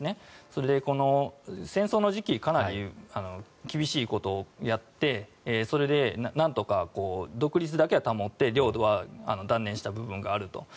それで戦争の時期かなり厳しいことをやってそれでなんとか独立だけは保って領土は断念した部分があると。